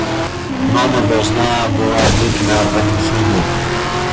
Мама должна была быть на панихиде.